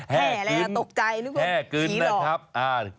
แห่อะไรตกใจนึกว่าขี้หลอก